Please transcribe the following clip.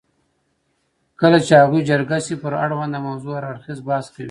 کله چې هغوی جرګه شي پر اړونده موضوع هر اړخیز بحث کوي.